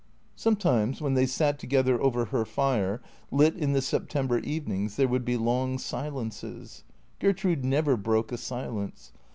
Sometimes when they sat together over her fire, lit in the September evenings, there would be long silences. Gertrude never broke a silence.